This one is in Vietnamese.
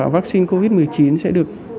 vaccine covid một mươi chín sẽ được